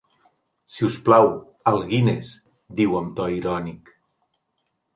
Si us plau, al Guiness, diu amb to irònic.